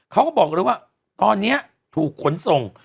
เขาก็บอกเลยว่าตอนนี้ถูกขนส่ง